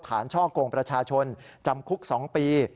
ช่อกงประชาชนจำคุก๒ปี